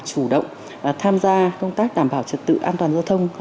chủ động tham gia công tác đảm bảo trật tự an toàn giao thông